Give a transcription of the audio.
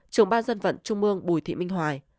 một mươi năm trưởng ban dân vận trung ương bùi thị minh hoài